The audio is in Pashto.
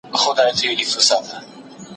ښه زړه ارام وي